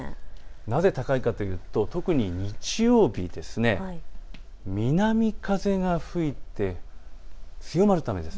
なぜ高いかというと特に日曜日、南風が吹いて強まるためです。